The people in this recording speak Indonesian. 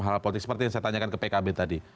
hal hal politik seperti yang saya tanyakan ke pkb tadi